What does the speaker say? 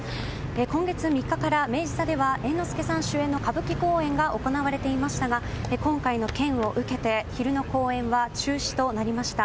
今月３日から明治座では猿之助さん主演の歌舞伎公演が行われていましたが今回の件を受けて昼の公演は中止となりました。